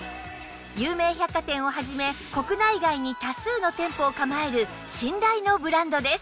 有名百貨店を始め国内外に多数の店舗を構える信頼のブランドです